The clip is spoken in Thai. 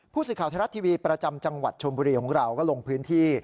ผู้สื่อข่าวไทยรัฐทีวีประจำจังหวัดชมบุรีของเราก็ลงพื้นที่